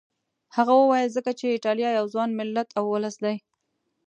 هغه وویل ځکه چې ایټالیا یو ځوان ملت او ولس دی.